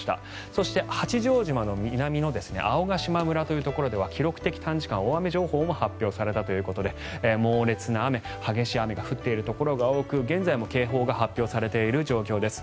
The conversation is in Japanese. そして、八丈島の南の青ヶ島村というところでは記録的短時間大雨情報も発表されたということで猛烈な雨激しい雨が降っているところが多く現在も警報が発表されている状況です。